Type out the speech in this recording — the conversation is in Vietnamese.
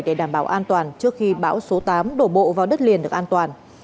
để đảm bảo an toàn trước khi bão số tám đổ bộ vào đất liền được an toàn